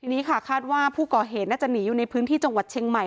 ทีนี้ค่ะคาดว่าผู้ก่อเหตุน่าจะหนีอยู่ในพื้นที่จังหวัดเชียงใหม่